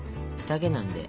だけなんで。